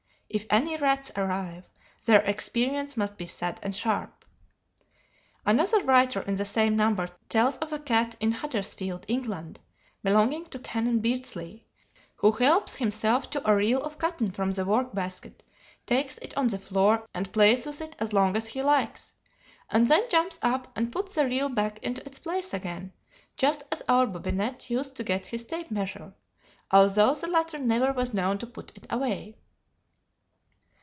If any rats arrive, their experience must be sad and sharp. Another writer in the same number tells of a cat in Huddersfield, England, belonging to Canon Beardsley, who helps himself to a reel of cotton from the work basket, takes it on the floor, and plays with it as long as he likes, and then jumps up and puts the reel back in its place again; just as our Bobinette used to get his tape measure, although the latter never was known to put it away.